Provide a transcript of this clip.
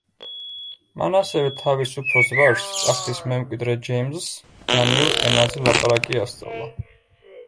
მან ასევე თავის უფროს ვაჟს, ტახტის მემკვიდრე ჯეიმზს დანიურ ენაზე ლაპარაკი ასწავლა.